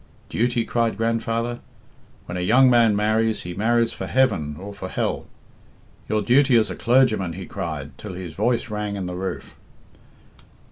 'Duty!' cried grandfather. 'When a young man marries, he marries for heaven or for hell. Your duty as a clergyman!' he cried, till his voice rang in the roof.